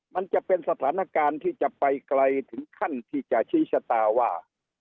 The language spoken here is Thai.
มันจะเป็นสถานการณ์ที่จะไปไกลถึงขั้นที่จะชี้ชะตาว่า